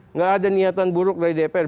nggak ada niatan buruk dari dpr